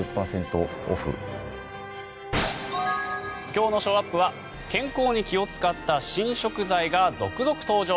今日のショーアップは健康に気を使った新食材が続々登場。